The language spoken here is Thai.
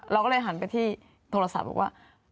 เราก็เลยหันไปที่โทรศัพท์บอกว่า